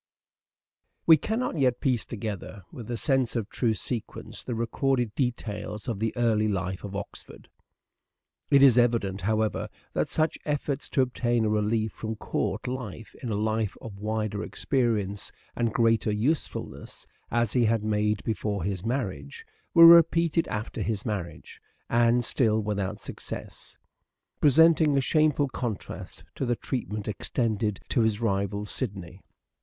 We cannot yet piece together with a sense of true Desire for sequence the recorded details of the early life of travel Oxford. It is evident, however, that such efforts to obtain a relief from court life in a life of wider ex perience and greater usefulness as he had made before his marriage, were repeated after his marriage, and still without success : presenting a shameful contrast to the treatment extended to his rival Sidney.